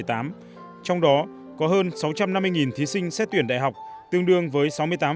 trong đó có hơn sáu trăm năm mươi thí sinh xét tuyển đại học tương đương với sáu mươi tám